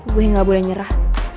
gue gak boleh nyerah